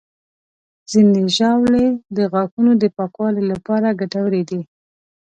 ځینې ژاولې د غاښونو د پاکوالي لپاره ګټورې دي.